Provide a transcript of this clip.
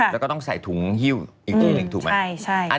แล้วก็ต้องใส่ถุงฮิ้วอีกทีหนึ่งถูกไหม